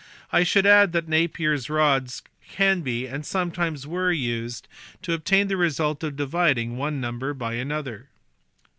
I should add that Napier s rods can be, and sometimes were, used to obtain the result of dividing one number by another.